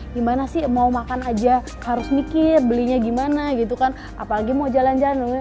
gimana sih mau makan aja harus mikir belinya gimana gitu kan apalagi mau jalan jalan